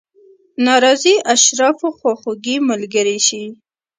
ناراضي اشرافو خواخوږي ملګرې شي.